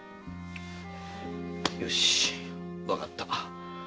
よしわかった。